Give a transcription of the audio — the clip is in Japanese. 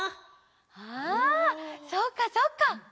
あそっかそっか。